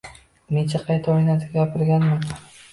Necha qayta onasiga gapirganman ham